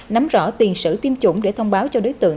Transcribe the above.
nắm rõ tiền sử tiêm chủng để thông báo cho đối tượng